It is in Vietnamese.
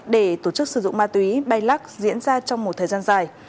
để tổ chức sử dụng ma túy bay lắc diễn ra trong một thời gian dài